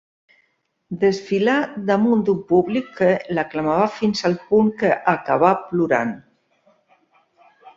Desfilà damunt d'un públic que l'aclamava fins al punt que acabà plorant.